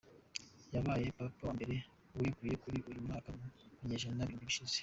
Yabaye Papa wa mbere weguye kuri uyu mwanya mu binyejana birindwi bishize.